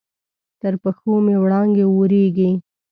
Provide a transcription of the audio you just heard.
تر پښو مې وړانګې اوریږې